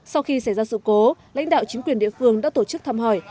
sau khi xảy ra sự cố lãnh đạo chính quyền địa phương đã tổ chức thăm hỏi